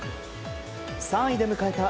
３位で迎えた